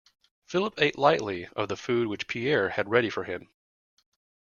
Philip ate lightly of the food which Pierre had ready for him.